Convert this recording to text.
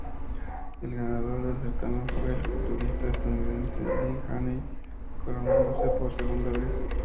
El ganador del certamen fue el culturista estadounidense Lee Haney, coronándose por segunda vez.